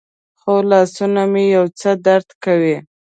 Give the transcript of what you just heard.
خو لاسونه مې یو څه درد کوي.